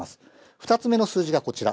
２つ目の数字がこちら。